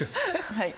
はい。